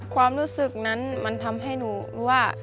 ความรู้สึกนั้นมันทำให้หนูรู้ว่า